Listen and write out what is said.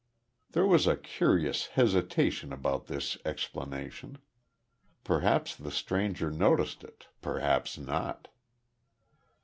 There was a curious hesitation about this explanation. Perhaps the stranger noticed it perhaps not.